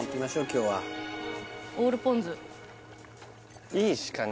今日はオールポン酢いいシカ